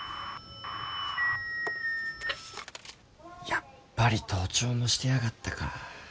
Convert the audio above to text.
やっぱり盗聴もしてやがったか。